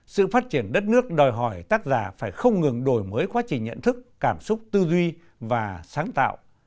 sự phát triển đất nước đòi hỏi tác giả phải không ngừng đổi mới quá trình nhận thức cảm xúc tư duy và sáng tạo